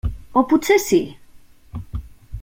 O potser sí?